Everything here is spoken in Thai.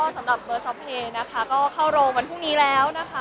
สำหรับเบอร์ซอฟเพลย์นะคะก็เข้าโรงวันพรุ่งนี้แล้วนะคะ